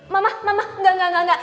mama mama enggak enggak enggak